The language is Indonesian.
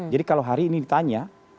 jadi kalau hari ini ditanya